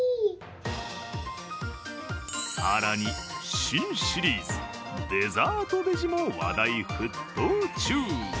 更に、新シリーズ・デザートベジも話題沸騰中。